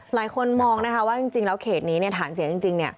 หลายคนมองว่าจริงแล้วเคล็ดนี้ถามเสียจริง